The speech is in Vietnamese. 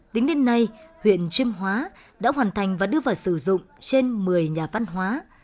tính đến nay huyện chiêm hóa đã hoàn thành và đưa vào sử dụng trên một mươi nhà văn hóa